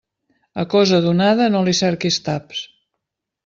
A cosa donada no li cerquis taps.